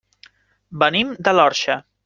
Venim de l'Orxa.